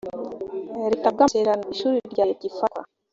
leta ku bw amasezerano ishuri rya leta gifatwa